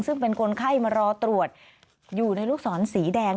ซึ่งเป็นคนไข้มารอตรวจอยู่ในลูกศรสีแดง